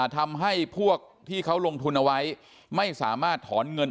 ทำให้พวกที่เขาลงทุนเอาไว้ไม่สามารถถอนเงิน